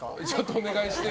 お願いして。